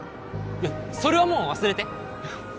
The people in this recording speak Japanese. いやそれはもう忘れて！